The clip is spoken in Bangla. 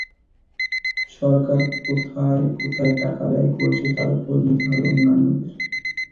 সরকার কোথায় কোথায় টাকা ব্যয় করছে, তারও খোঁজ নিতে হবে অন্যদের।